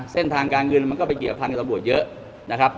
เส้นทางการเงินมันก็ไปเกี่ยวพันกับตำรวจเยอะนะครับ